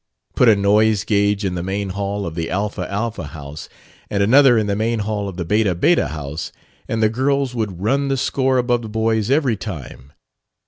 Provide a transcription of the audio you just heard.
Put a noise gauge in the main hall of the Alpha Alpha house and another in the main hall of the Beta Beta house, and the girls would run the score above the boys every time.